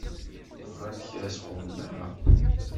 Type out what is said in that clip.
Bɣant kra sɣur-neɣ?